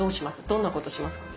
どんなことしますか？